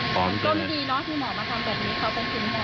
ก็ไม่ดีเนอะที่หมอมาทำแบบนี้ครับ